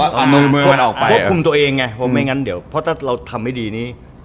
ควบคุมตัวเองไงเพราะถ้าเราทำไม่ดีนี้